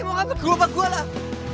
ini mau ngambil gerobak gua lah